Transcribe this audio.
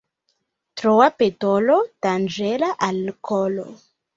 Troa petolo danĝera al kolo.